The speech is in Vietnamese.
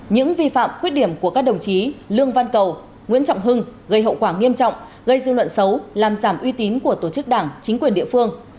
những vi phạm khuyết điểm của các đồng chí lương văn cầu nguyễn trọng hưng gây hậu quả nghiêm trọng gây dư luận xấu làm giảm uy tín của tổ chức đảng chính quyền địa phương